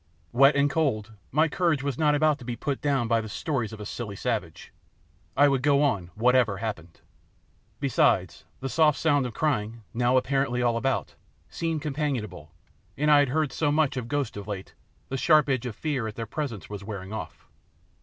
Wet and cold, my courage was not to be put down by the stories of a silly savage; I would go on whatever happened. Besides, the soft sound of crying, now apparently all about, seemed companionable, and I had heard so much of ghosts of late, the sharp edge of fear at their presence was wearing off.